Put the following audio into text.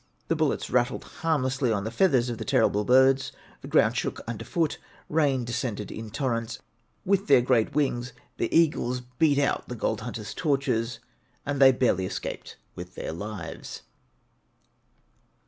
The bullets rattled harmlessly on the feathers of the terrible birds; the ground shook under foot; rain descended in torrents; with their great wings the eagles beat out the gold hunters' torches, and they barely escaped with their lives.